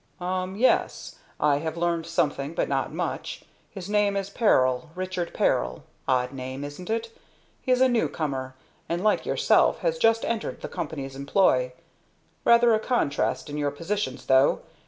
"Um yes. I have learned something, but not much. His name is Peril Richard Peril. Odd name, isn't it? He's a new comer, and, like yourself, has just entered the company's employ. Rather a contrast in your positions, though.